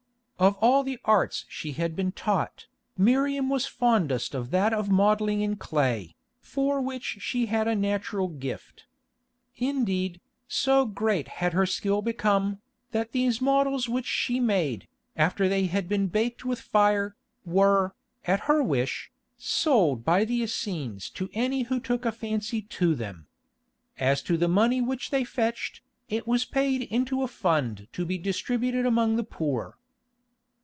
Of all the arts she had been taught, Miriam was fondest of that of modelling in clay, for which she had a natural gift. Indeed, so great had her skill become, that these models which she made, after they had been baked with fire, were, at her wish, sold by the Essenes to any who took a fancy to them. As to the money which they fetched, it was paid into a fund to be distributed among the poor.